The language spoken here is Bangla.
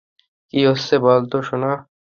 কী হচ্ছে বল তো, সোনা?